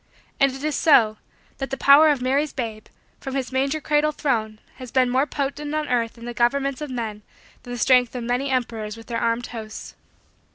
And it is so, that the power of Mary's babe, from his manger cradle throne, has been more potent on earth in the governments of men than the strength of many emperors with their armed hosts.